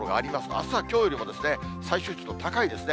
あすはきょうよりも最小湿度高いですね。